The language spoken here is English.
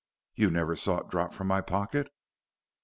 "You never saw it drop from my pocket?"